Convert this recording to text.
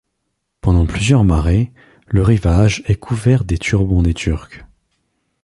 Pendant plusieurs marées, le rivage est couvert des turbans des Turcs.